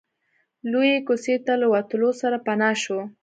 لويې کوڅې ته له وتلو سره پناه شو.